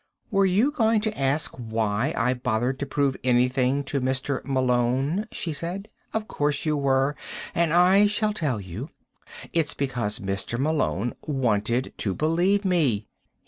"Were you going to ask why I bothered to prove anything to Mr. Malone?" she said. "Of course you were, and I shall tell you. It's because Mr. Malone wanted to believe me.